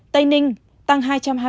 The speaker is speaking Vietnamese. tây ninh tăng hai trăm hai mươi ba